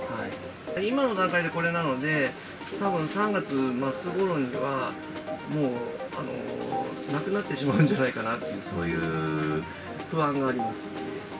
今の段階でこれなので、たぶん３月末ごろにはもうなくなってしまうんじゃないかなっていう、そういう不安があります。